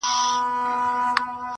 چي زه به څرنگه و غېږ ته د جانان ورځمه.